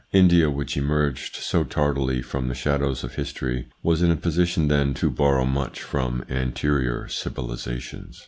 India, which emerged so tardily from the shadows of history, was in a position then to borrow much from anterior civilisations.